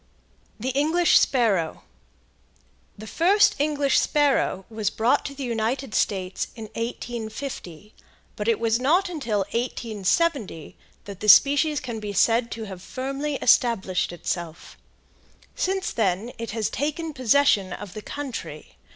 THE ENGLISH SPARROW. The first English sparrow was brought to the United States in 1850, but it was not until 1870 that the species can be said to have firmly established itself. Since then it has taken possession of the country.